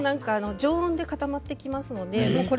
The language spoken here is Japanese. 常温でも固まってきます。